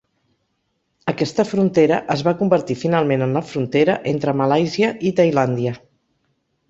Aquesta frontera es va convertir finalment en la frontera entre Malàisia i Tailàndia.